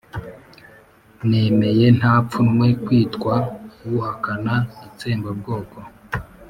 nemeye nta pfunwe kwitwa uhakana itsembabwoko.